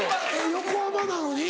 横浜なのに？